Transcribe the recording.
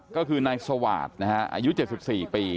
ก็คือนายสวาสตร์อายุ๗๔ปี